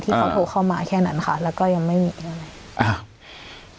ที่เขาโทรเข้ามาแค่นั้นค่ะแล้วก็ยังไม่มีอะไร